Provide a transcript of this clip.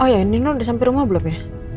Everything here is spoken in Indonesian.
oh iya nino udah sampai rumah belom ya